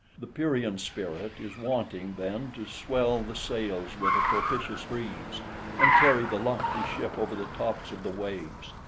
The Pierian spirit is wanting then to swell the sails with a propitious breeze, and carry the lofty ship over the tops of the waves.